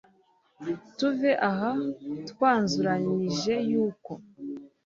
tuve aha twanzuranije yuko